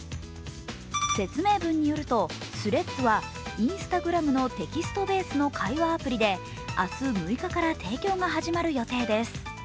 説明文によると、ＴｈｒｅａｄｓはＩｎｓｔａｇｒａｍのテキストベースの会話アプリで明日６日から提供が始まる予定です。